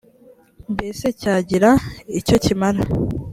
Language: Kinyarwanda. mbese cyagira icyo kimara.